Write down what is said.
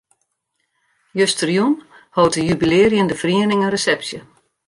Justerjûn hold de jubilearjende feriening in resepsje.